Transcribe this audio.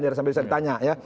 biar sampai bisa ditanya